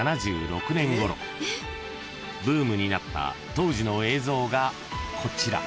［ブームになった当時の映像がこちら］